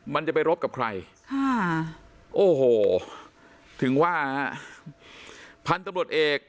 มันจะไปรบกับใครค่ะโอ้โหถึงว่าพันธุ์ตำรวจเอก